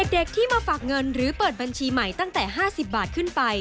เด็กที่มาฝากเงินหรือเปิดบัญชีใหม่ตั้งแต่๕๐บาทขึ้นไป